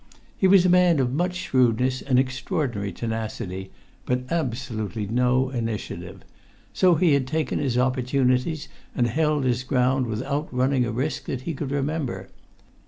He was a man of much shrewdness and extraordinary tenacity, but absolutely no initiative; so he had taken his opportunities and held his ground without running a risk that he could remember.